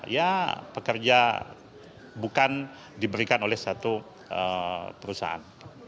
ya pekerja bukan diberikan oleh satu perusahaan